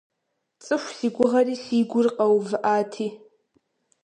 ЦӀыху си гугъэри си гур къэувыӀати!